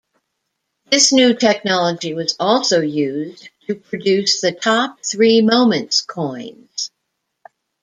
This new technology was also used to produce the "Top Three Moments" coins.